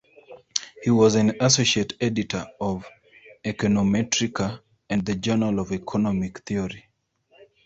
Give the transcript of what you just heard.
He was an associate editor of "Econometrica" and the "Journal of Economic Theory".